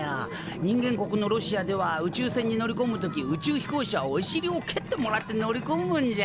人間国のロシアでは宇宙船に乗りこむ時宇宙飛行士はおしりをけってもらって乗りこむんじゃ。